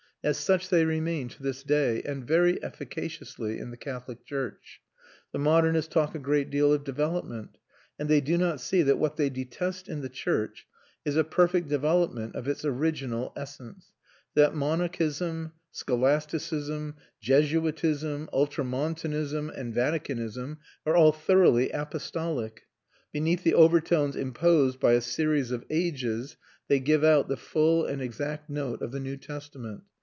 As such they remain to this day, and very efficaciously, in the Catholic church. The modernists talk a great deal of development, and they do not see that what they detest in the church is a perfect development of its original essence; that monachism, scholasticism, Jesuitism, ultramontanism, and Vaticanism are all thoroughly apostolic; beneath the overtones imposed by a series of ages they give out the full and exact note of the New Testament.